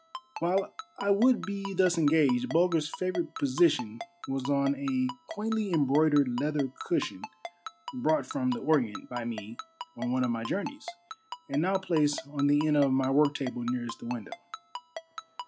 While I would be thus engaged, Bulger's favorite position was on a quaintly embroidered leather cushion brought from the Orient by me on one of my journeys, and now placed on the end of my work table nearest the window.